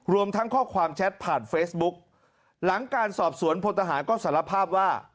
รวมทั้งข้อความแชทผ่านเฟซบุ๊กหลังการสอบสวนพลทหารก็สารภาพว่า